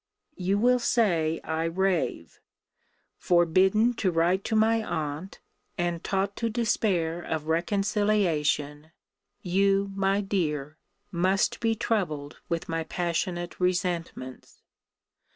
You will say I rave: forbidden to write to my aunt, and taught to despair of reconciliation, you, my dear, must be troubled with my passionate resentments.